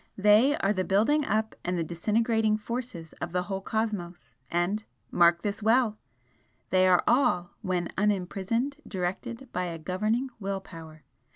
They are the building up and the disintegrating forces of the whole cosmos and mark this well! they are all, when unimprisoned, directed by a governing will power.